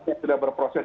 yang sudah berproses